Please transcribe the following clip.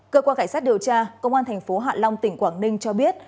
cơ quan cảnh sát điều tra công an thành phố hạ long tỉnh quảng ninh cho biết